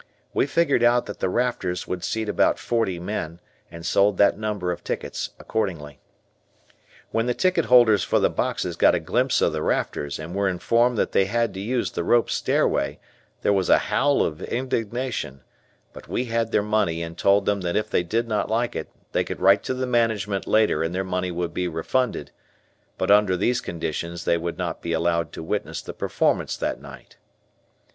We figured out that the rafters would seat about forty men and sold that number of tickets accordingly, When the ticket holders for the boxes got a glimpse of the rafters and were informed that they had to use the rope stairway, there was a howl of indignation, but we had their money and told them that if they did not like it they could write to the management later and their money would be refunded; but under these conditions they would not be allowed to witness the performance that night.